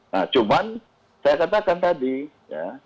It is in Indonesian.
nah cuman saya katakan tadi ya